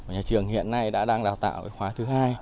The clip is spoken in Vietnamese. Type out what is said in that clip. nhà trường hiện nay đã đang đào tạo khóa thứ hai